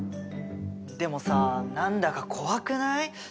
でもさあ何だか怖くない？